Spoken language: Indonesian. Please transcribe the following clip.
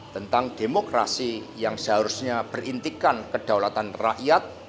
tentang demokrasi yang seharusnya berintikan kedaulatan rakyat